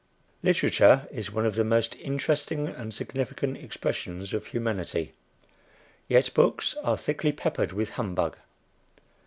Literature is one of the most interesting and significant expressions of humanity. Yet books are thickly peppered with humbug.